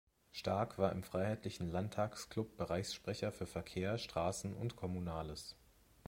Stark war im Freiheitlichen Landtagsklub Bereichssprecher für Verkehr, Straßen und Kommunales.